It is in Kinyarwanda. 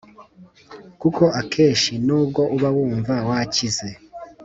kuko akenshi nubwo uba wumva wakize